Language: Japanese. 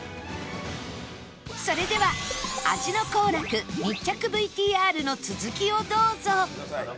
それでは味の幸楽密着 ＶＴＲ の続きをどうぞ